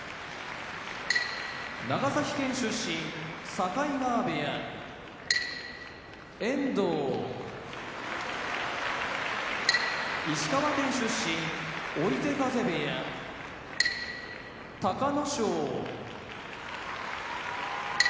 長崎県出身境川部屋遠藤石川県出身追手風部屋隆の勝千葉県出身